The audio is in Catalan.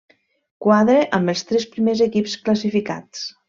Quadre amb els tres primers equips classificats.